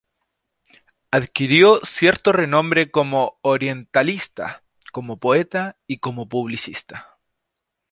Adquirió cierto renombre como orientalista, como poeta y como publicista.